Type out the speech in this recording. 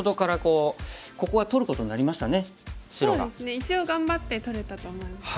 一応頑張って取れたと思います。